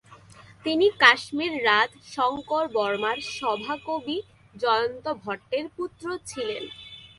তিনি কাশ্মীররাজ শঙ্করবর্মার সভাকবি জয়ন্তভট্টের পুত্র ছিলেন।